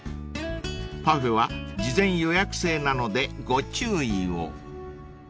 ［パフェは事前予約制なのでご注意を］